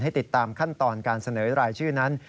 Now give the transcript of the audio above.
ติดตามขั้นตอนการเสนอรายชื่อนั้น